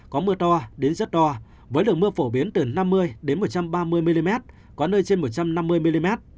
có mưa to đến rất to với lượng mưa phổ biến từ năm mươi đến một trăm ba mươi mm có nơi trên một trăm năm mươi mm